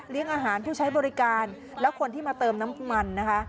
อาหารผู้ใช้บริการและคนที่มาเติมน้ำมันนะคะ